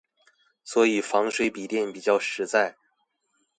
所以防水筆電比較實在